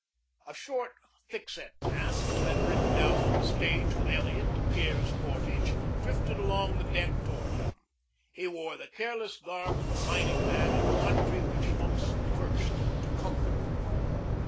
A short, thick set man who had ridden down on the stage with Elliot to Pierre's Portage drifted along the deck toward him. He wore the careless garb of a mining man in a country which looks first to comfort.